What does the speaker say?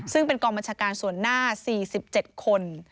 ซึ่งเป็นกองบัญชาการส่วนหน้า๔๗คน